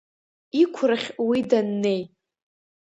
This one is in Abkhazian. Иқәрахь уи даннеи…